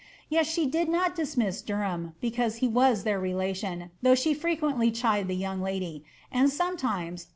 * Tet she did not dismiss Derham, becaofe he was their relation, though she frequently chid the yoong lady, aad ' P.